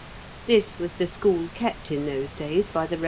This was the school kept in those days by the Eev.